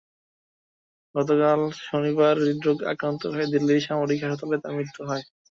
গতকাল শনিবার হৃদ্রোগে আক্রান্ত হয়ে দিল্লির সামরিক হাসপাতালে তাঁর মৃত্যু হয়।